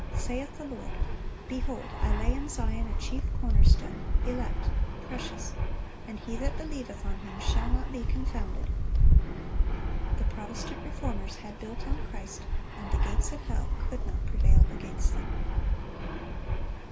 Saith the Lord, "Behold, I lay in Zion a chief corner stone, elect, precious: and he that believeth on Him shall not be confounded."(313) The Protestant Reformers had built on Christ, and the gates of hell could not prevail against them.